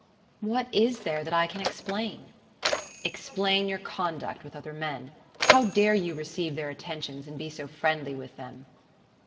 "What is there that I can explain?" "Explain your conduct with other men. How dare you receive their attentions and be so friendly with them!"